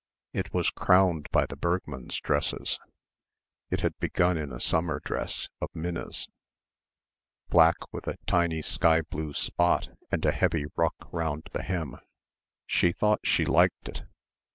It was crowned by the Bergmanns' dresses. It had begun in a summer dress of Minna's, black with a tiny sky blue spot and a heavy ruche round the hem. She thought she liked it.